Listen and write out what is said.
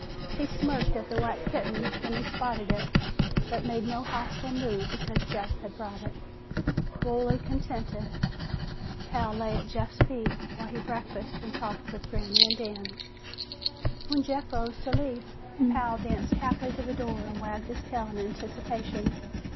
He smirked at the white kitten when he spotted it, but made no hostile move because Jeff had brought it. Wholly contented, Pal lay at Jeff's feet while he breakfasted and talked with Granny and Dan. When Jeff rose to leave, Pal danced happily to the door and wagged his tail in anticipation.